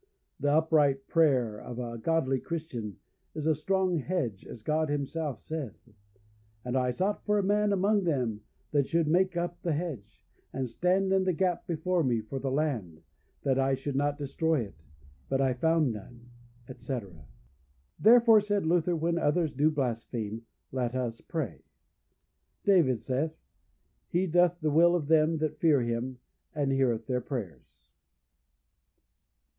The upright prayer of a godly Christian is a strong hedge, as God himself saith, "And I sought for a man among them that should make up the hedge, and stand in the gap before me for the land, that I should not destroy it, but I found none," etc. Therefore, said Luther, when others do blaspheme, let us pray. David saith, "He doth the will of them that fear Him, and heareth their prayers."